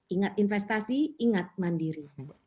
ingat investasi ingat mandiri